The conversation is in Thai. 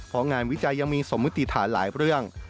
เพราะงานวิจัยยังมีสมมติฐานหลายเรื่อง